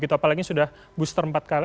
apalagi sudah booster empat kali